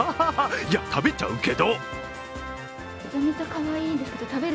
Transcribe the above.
いや、食べちゃうけど！